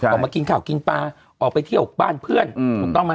ออกมากินข้าวกินปลาออกไปเที่ยวบ้านเพื่อนถูกต้องไหม